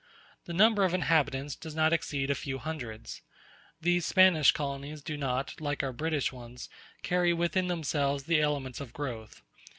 The number of inhabitants does not exceed a few hundreds. These Spanish colonies do not, like our British ones, carry within themselves the elements of growth.